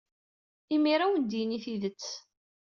Imir-a ad awen-d-yini tidet.